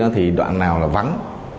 thì đoạn nào là vắng